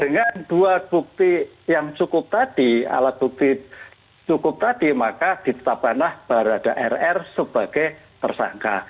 dengan dua bukti yang cukup tadi alat bukti cukup tadi maka ditetapkanlah barada rr sebagai tersangka